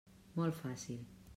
Molt fàcil.